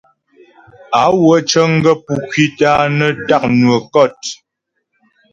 Á wə cə̀ŋ gaə̂ pú ŋkwítə a nə tá' nwə́ kɔ̂t.